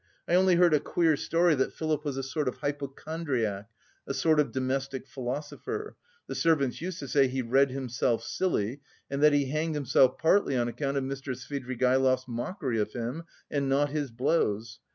"I only heard a queer story that Philip was a sort of hypochondriac, a sort of domestic philosopher, the servants used to say, 'he read himself silly,' and that he hanged himself partly on account of Mr. Svidrigaïlov's mockery of him and not his blows.